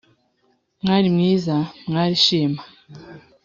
mwali mwiza, mwali nshima